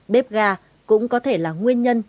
bếp gà cũng có thể là nguyên nhân